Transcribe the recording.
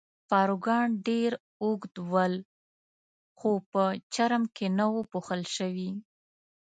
پاروګان ډېر اوږد ول، خو په چرم کې نه وو پوښل شوي.